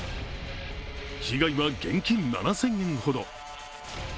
被害は現金７０００円ほど。